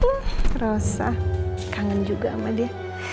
terus ah kangen juga sama dia